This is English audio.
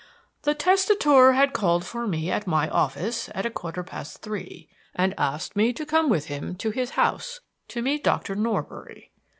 "The testator had called for me at my office at a quarter past three, and asked me to come with him to his house to meet Doctor Norbury.